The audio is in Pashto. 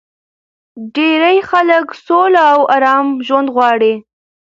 ډېری خلک سوله او ارام ژوند غواړي